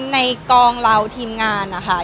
แมทโชคดีแมทโชคดี